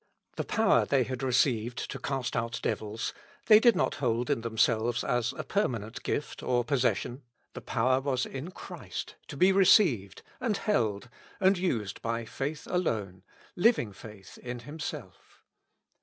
The power they had received to cast out devils, they did not hold in themselves as a permanent gift or possession ; the power was in Christ, to be received, and held, and used by faith alone, living faith in Himself.